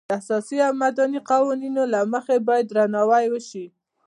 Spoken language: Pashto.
د اساسي او مدني قوانینو له مخې باید درناوی وشي.